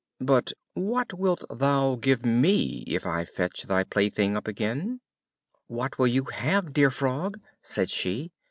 But what wilt thou give me if I fetch thy plaything up again?" "What will you have, dear Frog?" said she.